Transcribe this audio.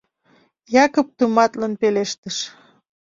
— Якып тыматлын пелештыш.